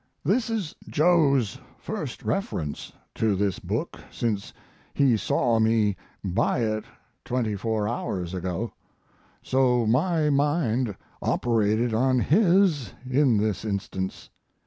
This is Joe's first reference to this book since he saw me buy it twenty four hours ago. So my mind operated on his in this instance.